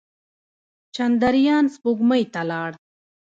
چندریان سپوږمۍ ته لاړ.